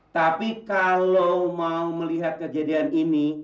tapi kalau mau melihat kejadian ini